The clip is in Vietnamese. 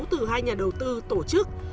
từ hai nhà đầu tư tổ chức